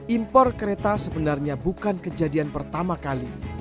impor kereta sebenarnya bukan kejadian pertama kali